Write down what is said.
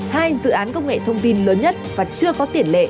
hai dự án công nghệ thông tin lớn nhất và chưa có tiền lệ